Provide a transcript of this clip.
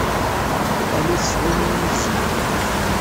All-it s wayen iwumi tzemreḍ.